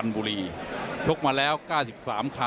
นักมวยจอมคำหวังเว่เลยนะครับ